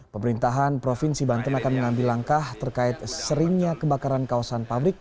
pemerintahan provinsi banten akan mengambil langkah terkait seringnya kebakaran kawasan pabrik